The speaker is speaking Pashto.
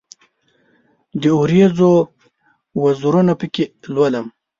د اوریځو وزرونه پکښې لولم